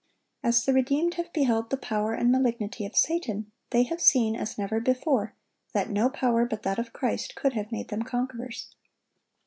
As the redeemed have beheld the power and malignity of Satan, they have seen, as never before, that no power but that of Christ could have made them conquerors.